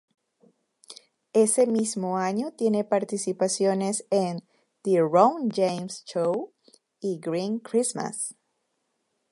Ese mismo año tiene participaciones en "The Ron James Show" y "Green Christmas".